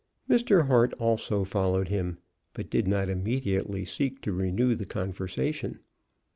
Mr. Hart also followed him, but did not immediately seek to renew the conversation.